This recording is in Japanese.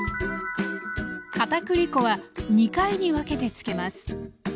片栗粉は２回に分けてつけます。